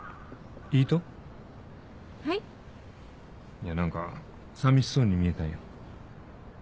いや何かさみしそうに見えたんよ。